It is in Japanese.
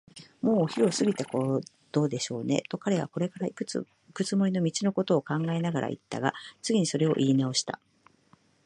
「もうお昼を過ぎたことでしょうね」と、彼はこれからいくつもりの道のことを考えながらいったが、次にそれをいいなおした。